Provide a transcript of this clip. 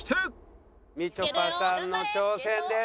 みちょぱさんの挑戦です。